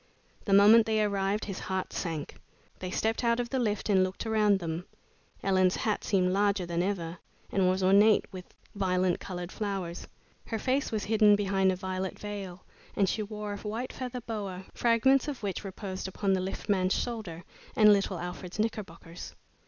The moment they arrived, his heart sank. They stepped out of the lift and looked around them. Ellen's hat seemed larger than ever, and was ornate with violent colored flowers. Her face was hidden behind a violet veil, and she wore a white feather boa, fragments of which reposed upon the lift man's shoulder and little Alfred's knickerbockers.